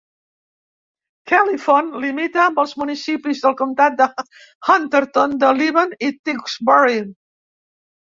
Califon limita amb els municipis del comtat de Hunterdon de Líban i Tewksbury.